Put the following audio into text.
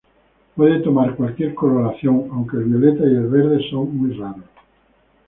Pueden tomar cualquier coloración, aunque el violeta y el verde son muy raros.